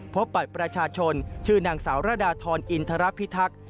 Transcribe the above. พบบัตรประชาชนชื่อนางสาวระดาทรอินทรพิทักษ์